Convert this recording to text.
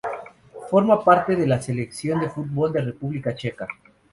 Forma parte de la selección de fútbol de República Checa.